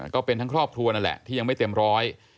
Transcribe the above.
ก็เป็นทั้งครอบครัวนั่นแหละที่ยังไม่เต็มร้อย